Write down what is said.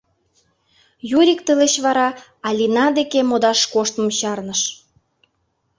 Юрик тылеч вара Алина деке модаш коштмым чарныш.